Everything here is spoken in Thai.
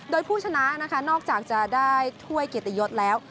โดยผู้ชนะนะคะนอกจากจะได้ถ้วยเกียรติยศแล้ว